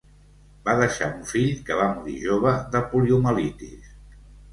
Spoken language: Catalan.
Va deixar un fill que va morir jove de poliomielitis.